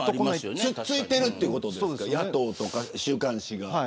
突っついてるということですか野党とか週刊誌が。